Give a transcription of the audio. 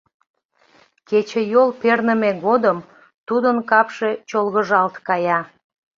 Кечыйол перныме годым тудын капше чолгыжалт кая.